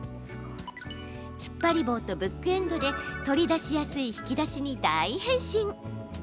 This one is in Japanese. つっぱり棒とブックエンドで取り出しやすい引き出しに大変身。